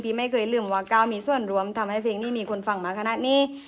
ไม่เคยลืมว่าก้าวมีส่วนรวมทำให้เพลงนี้มีคนฟังมาขนาดนี้